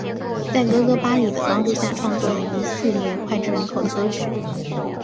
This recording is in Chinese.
在哥哥巴里的帮助下创作了一系列脍炙人口的歌曲。